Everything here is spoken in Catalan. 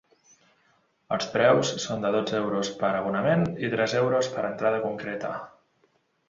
Els preus són de dotze euros per abonament i tres euros per entrada concreta.